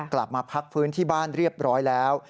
กลับมาพักฟื้นที่บ้านเรียบร้อยแล้ว